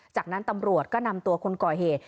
จากนั้นตำรวจก็นำตัวคนก่อเหตุ